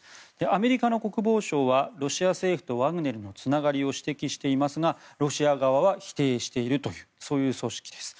アメリカの国防省はロシア政府とワグネルのつながりを指摘していますがロシア側は否定しているというそういう組織です。